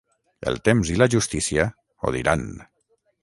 El temps i la justícia ho diran.